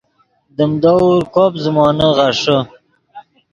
دیم دور کوب زیمونے غیݰے